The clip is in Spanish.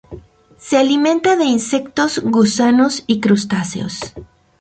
Se alimenta de insectos, gusanos y crustáceos.